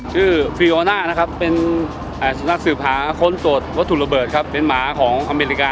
คือนะครับเป็นค้นตรวจวัตถุระเบิดครับเป็นหมาของใน